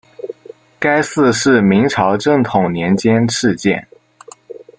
该寺是明朝正统年间敕建。